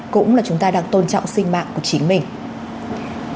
cũng là chúng ta đang tôn trọng sinh mạng của chính mình